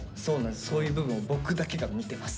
そういう部分を僕だけが見てます。